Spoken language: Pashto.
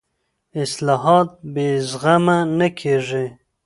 اصلاحات بې زغمه نه کېږي